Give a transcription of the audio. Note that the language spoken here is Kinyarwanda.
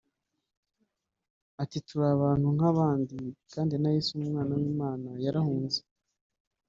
Ati “Turi abantu nk’abandi kandi na Yezu umwana w’Imana yarahunze